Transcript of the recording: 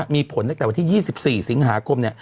มีผลตั้งแต่วันที่๒๔สิงหาคม